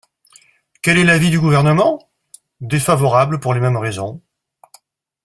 Quel est l’avis du Gouvernement ? Défavorable pour les mêmes raisons.